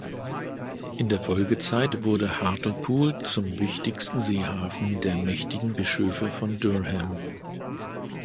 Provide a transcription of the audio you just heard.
In der Folgezeit wurde Hartlepool zum wichtigsten Seehafen der mächtigen Bischöfe von Durham.